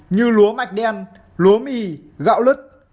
như lúa mạch đen lúa mì gạo lứt